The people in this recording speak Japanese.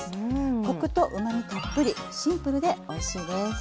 コクとうまみたっぷりシンプルでおいしいです。